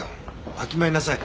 わきまえなさい。